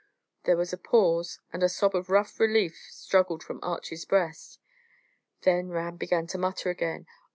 There was a pause, and a sob of relief struggled from Archy's breast. Then Ram began to mutter again.